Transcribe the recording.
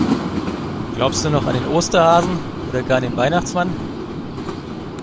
Glaubst du noch an den Osterhasen oder gar an den Weihnachtsmann?